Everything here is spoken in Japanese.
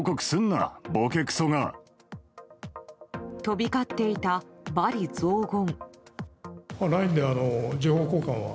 飛び交っていた、罵詈雑言。